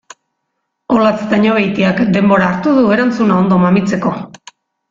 Olatz Dañobeitiak denbora hartu du erantzuna ondo mamitzeko.